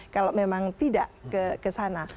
kalau memang tidak ke sana